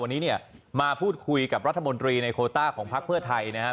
วันนี้เนี่ยมาพูดคุยกับรัฐมนตรีในโคต้าของพักเพื่อไทยนะครับ